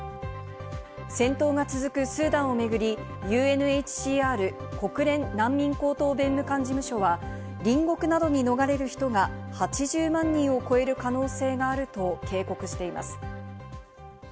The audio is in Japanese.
戦闘が続くスーダンをめぐり、ＵＮＨＣＲ＝国連難民高等弁務官事務所は隣国などに逃れる人が８０万人を超える可能性があると警告しています。